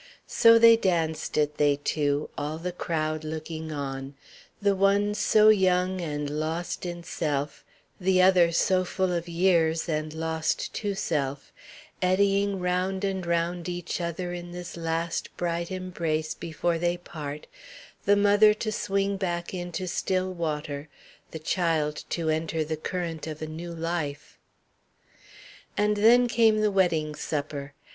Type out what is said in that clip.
So they danced it, they two, all the crowd looking on: the one so young and lost in self, the other so full of years and lost to self; eddying round and round each other in this last bright embrace before they part, the mother to swing back into still water, the child to enter the current of a new life. And then came the wedding supper!